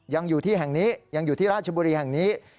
ยังอยู่ที่แห่งนี้ยังอยู่ที่ราชบุรีแห่งนี้